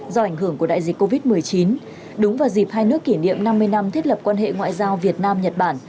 do ảnh hưởng của đại dịch covid một mươi chín đúng vào dịp hai nước kỷ niệm năm mươi năm thiết lập quan hệ ngoại giao việt nam nhật bản